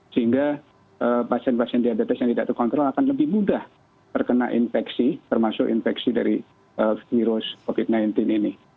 sehingga pasien pasien diabetes yang tidak terkontrol akan lebih mudah terkena infeksi termasuk infeksi dari virus covid sembilan belas ini